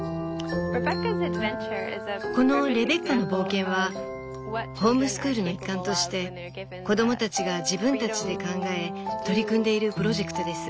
この「レベッカの冒険」はホームスクールの一環として子供たちが自分たちで考え取り組んでいるプロジェクトです。